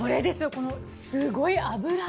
このすごい脂！